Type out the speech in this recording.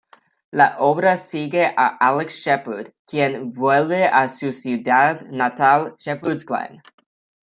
La obra sigue a Alex Shepherd, quien vuelve a su ciudad natal Shepherd's Glen.